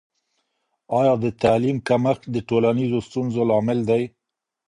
آیا د تعلیم کمښت د ټولنیزو ستونزو لامل دی؟